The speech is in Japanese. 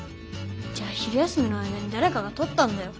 じゃ昼休みの間にだれかがとったんだよ。